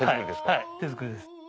はい手作りです。